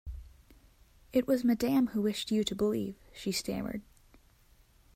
"It was madame who wished you to believe," she stammered.